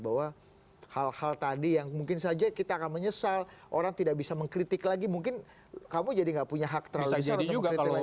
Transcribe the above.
bahwa hal hal tadi yang mungkin saja kita akan menyesal orang tidak bisa mengkritik lagi mungkin kamu jadi nggak punya hak terlalu besar untuk mengkritik lagi